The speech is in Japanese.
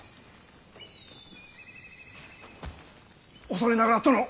恐れながら殿！